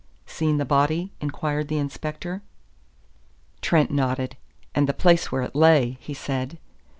"Seen the body?" inquired the inspector. Trent nodded. "And the place where it lay," he said.